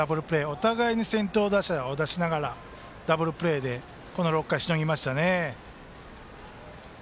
お互いに先頭打者を出しながらダブルプレーでこの６回、しのぎましたね。